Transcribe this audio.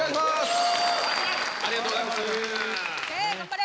ありがとうございます頑張れ！